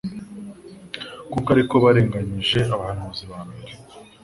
kuko ariko barengariyije abahariuzi ba mbere.»